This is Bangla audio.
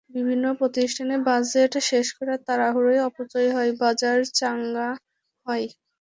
বিভিন্ন প্রতিষ্ঠানে বাজেট শেষ করার তাড়াহুড়ায় অপচয় হয়, বাজার চাঙা হয়।